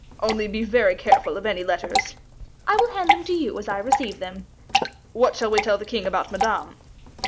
"Only be very careful of any letters." "I will hand them to you as I receive them." "What shall we tell the king about Madame?"